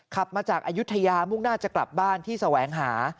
ขับมาจากอายุทยามุ่งหน้าจะกลับบ้านที่แสวงหา